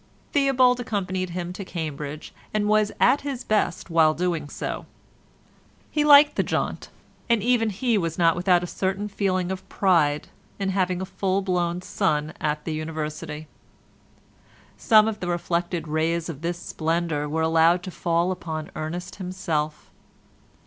Theobald accompanied him to Cambridge, and was at his best while doing so. He liked the jaunt, and even he was not without a certain feeling of pride in having a full blown son at the University. Some of the reflected rays of this splendour were allowed to fall upon Ernest himself.